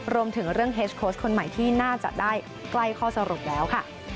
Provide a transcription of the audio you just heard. รวมถึงเรื่องเฮสโค้ชคนใหม่ที่น่าจะได้ใกล้ข้อสรุปแล้วค่ะ